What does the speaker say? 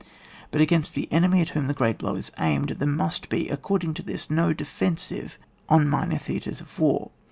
But against the enemy at whom the great blow is aimed, there must be, according to this, no defensive on minor theatres of war.